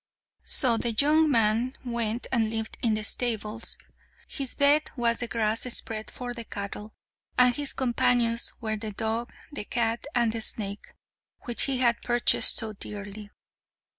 So the young man went and lived in the stables. His bed was the grass spread for the cattle, and his companions were the dog, the cat, and the snake, which he had purchased so dearly.